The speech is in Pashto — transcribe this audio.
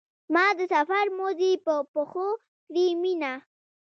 ما د سفر موزې په پښو کړې مینه.